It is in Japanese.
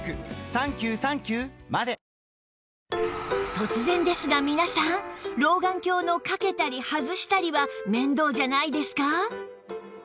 突然ですが皆さん老眼鏡のかけたり外したりは面倒じゃないですか？